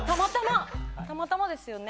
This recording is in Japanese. たまたまですよね。